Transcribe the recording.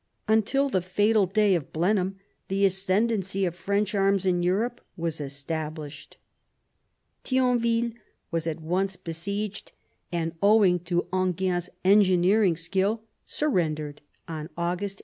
Until the fatal day of Blenheim the ascendency of French arms in Europe was established. Thionville was at once besieged, and, owing to Enghien's engineering skill, surrendered on August.